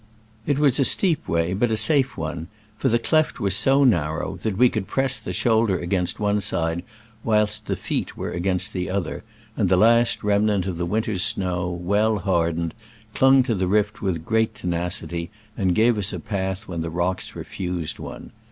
It was a steep way, but a safe one, for the cleft was so narrow that we could press the shoulder against one side whilst the feet were Digitized by VjOOQIC ^8' SCRAMBLES AMONGST THE ALPS JN i86o '69. 79 against the othei , and the last remnant of the winter's snow, well hardened, clung to the rift with great tenacity, and gave us a path when the rocks refused one.